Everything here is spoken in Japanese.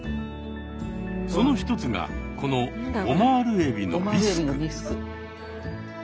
その一つがこのオマールエビのビスク。